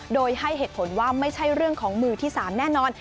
โดยให้เหตุผลว่าไม่ใช่เรื่องของมือที่๓แน่นอน